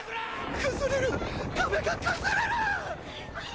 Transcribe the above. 崩れる壁が崩れるぅっ！